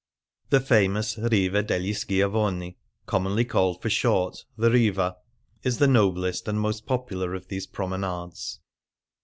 The famous Riva degli Schiavoni — commonly called for short, "the Venice on Foot Riva"*" — is the noblest and most popular of these promenades.